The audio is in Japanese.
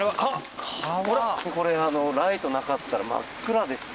これライトなかったら真っ暗ですね。